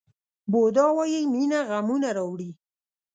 بودا وایي مینه غمونه راوړي.